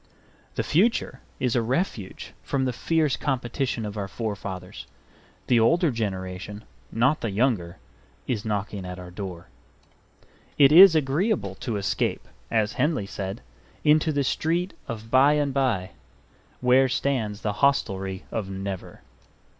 The future is a refuge from the fierce competition of our forefathers. The older generation, not the younger, is knocking at our door. It is agreeable to escape, as Henley said, into the Street of By and Bye, where stands the Hostelry of Never.